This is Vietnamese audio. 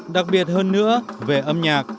đặc biệt hơn nữa về âm nhạc